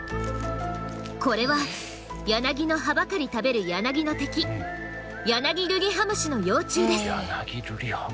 これはヤナギの葉ばかり食べるヤナギルリハムシの幼虫。